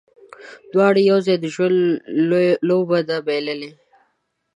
دواړو یو ځای، د ژوند لوبه ده بایللې